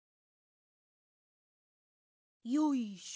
よいしょ！